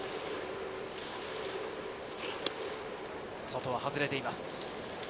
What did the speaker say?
外は外れています。